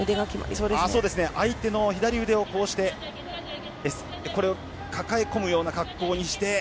相手の左腕をこうしてこれを抱え込むような形にして。